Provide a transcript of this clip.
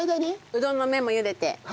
うどんの麺も茹でて。